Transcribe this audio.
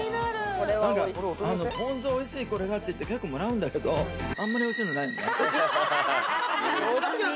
ポン酢おいしい、これがって、もらうんだけど、あんまり、おいしいのないよね。